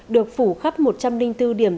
được phủ khắp một trăm linh bốn điểm